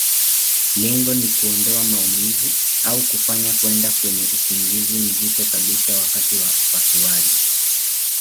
Lengo ni kuondoa maumivu, au kufanya kwenda kwenye usingizi mzito kabisa wakati wa upasuaji.